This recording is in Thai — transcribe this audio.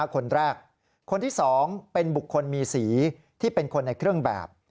คนแรกคนที่๒เป็นบุคคลมีสีที่เป็นคนในเครื่องแบบ